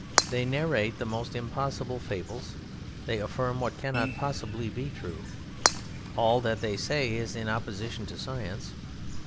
They narrate the most impossible fables. They affirm what cannot possibly be true. All that they say is in opposition to science.